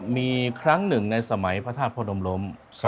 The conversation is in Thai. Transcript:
มีครั้งหนึ่งในสมัยพระธาตุพระดมล้ม